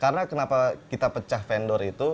karena kenapa kita pecah vendor itu